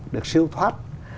được siêu thoát